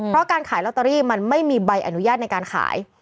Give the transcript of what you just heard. เพราะการขายลอตเตอรี่มันไม่มีใบอนุญาตในการขาย